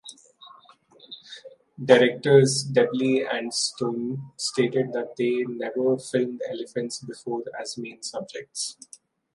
Directors Deeble and Stone stated that they never filmed elephants before as main subjects.